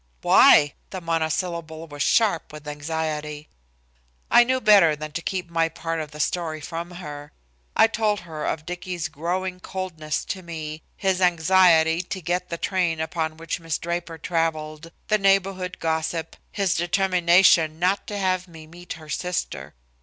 "Why?" The monosyllable was sharp with anxiety. I knew better than to keep my part of the story from her. I told her of Dicky's growing coldness to me, his anxiety to get the train upon which Miss Draper traveled, the neighborhood gossip, his determination not to have me meet her sister.